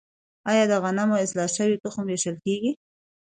آیا د غنمو اصلاح شوی تخم ویشل کیږي؟